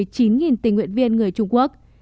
tình nguyện viên người trung quốc